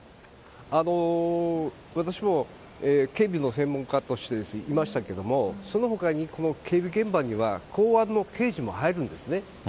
私も、警備の専門家としていましたけども、そのほかにこの警備現場には公安の刑事も入るんですね。